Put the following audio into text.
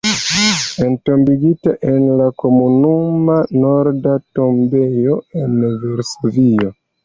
Entombigita en la Komunuma Norda Tombejo en Varsovio.